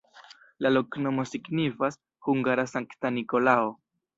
La loknomo signifas: hungara-Sankta Nikolao.